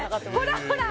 ほらほら